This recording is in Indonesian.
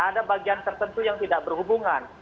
ada bagian tertentu yang tidak berhubungan